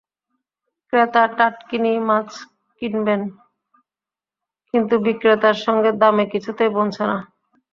ক্রেতা টাটকিনি মাছ কিনবেন, কিন্তু বিক্রেতার সঙ্গে দামে কিছুতেই বনছে না।